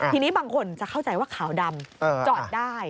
ทีนี้บางคนจะเข้าใจว่าขาวดำจอดได้